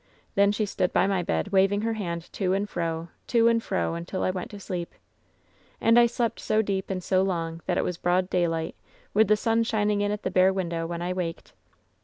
Then she stood by my bed waving her hand to and fro, to and fro, until I went to sleep. And I slept so deep and so long that it was broad daylight, with the sun shining in at the bare window, when I waked.